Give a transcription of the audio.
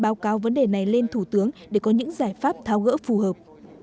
báo cáo vấn đề này lên thủ tướng để có những giải pháp tháo gỡ phù hợp